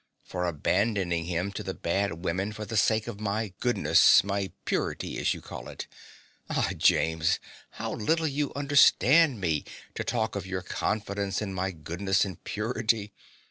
For abandoning him to the bad women for the sake of my goodness my purity, as you call it? Ah, James, how little you understand me, to talk of your confidence in my goodness and purity!